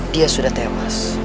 dia sudah tewas